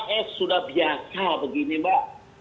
kalau pks sudah biasa begini mbak